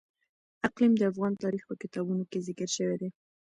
اقلیم د افغان تاریخ په کتابونو کې ذکر شوی دي.